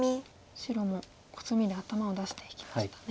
白もコスミで頭を出していきましたね。